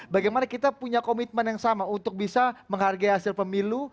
bagaimana kita punya komitmen yang sama untuk bisa menghargai hasil pemilu